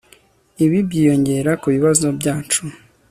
Ibi byiyongera kubibazo byacu